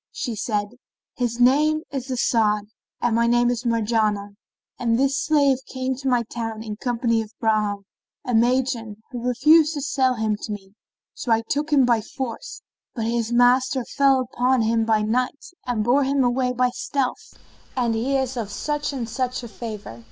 Said she, "His name is As'ad and my name is Marjanah, and this slave came to my town in company of Bahram, a Magian, who refused to sell him to me; so I took him by force, but his master fell upon him by night and bore him away by stealth and he is of such and such a favour."